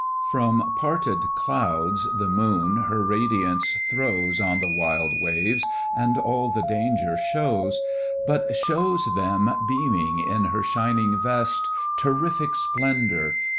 From parted clouds the moon her radiance throws On the wild waves, and all the danger shows; But shows them beaming in her shining vest, Terrific splendour!